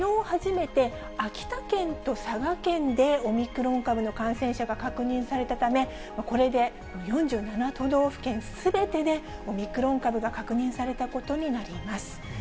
初めて、秋田県と佐賀県でオミクロン株の感染者が確認されたため、これで４７都道府県すべてでオミクロン株が確認されたことになります。